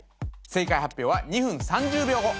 正解発表は２分３０秒後